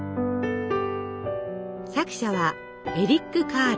作者はエリック・カール。